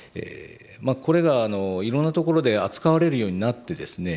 これがいろんなところで扱われるようになってですね